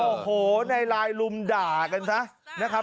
โอ้โหในไลน์ลุมด่ากันซะนะครับ